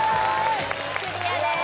クリアです